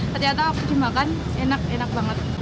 ketika aku makan enak enak banget